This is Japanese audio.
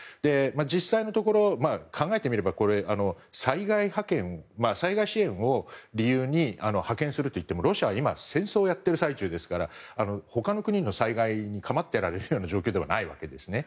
実際のところ考えてみれば災害支援を理由に派遣するといっても、ロシアは今戦争をやってる最中ですから他の国の災害にかまっていられるような状況ではないわけですね。